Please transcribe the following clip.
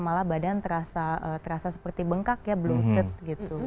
malah badan terasa seperti bengkak ya belum ket gitu